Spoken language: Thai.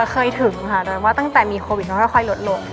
เคยถึงค่ะโดยว่าตั้งแต่มีโควิดก็ค่อยลดลง